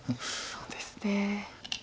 そうですね。